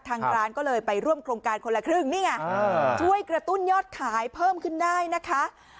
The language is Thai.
ทางร้านก็เลยไปร่วมโครงการคนละครึ่งนี่ไงช่วยกระตุ้นยอดขายเพิ่มขึ้นได้นะคะ